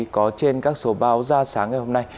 có trên các số báo ra sáng ngày hôm nay